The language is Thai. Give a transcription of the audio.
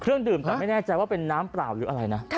เครื่องดื่มแต่ไม่แน่ใจว่าเป็นน้ำเปล่าอยู่อะไรนะ